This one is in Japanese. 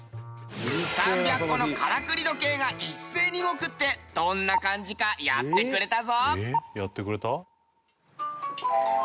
３００個のからくり時計が一斉に動くってどんな感じかやってくれたぞ！